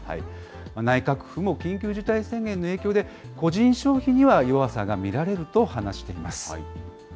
内閣府も緊急事態宣言の影響で、個人消費には弱さが見られると話しています。